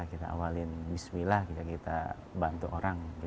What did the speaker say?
kita awalin bismillah kita bantu orang